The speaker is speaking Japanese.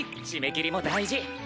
締め切りも大事！